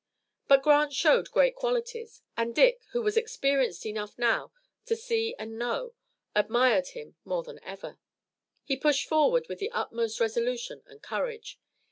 But Grant showed great qualities, and Dick, who was experienced enough now to see and know, admired him more than ever. He pushed forward with the utmost resolution and courage.